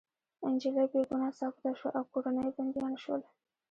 انجلۍ بې ګناه ثابته شوه او کورنۍ يې بندیان شول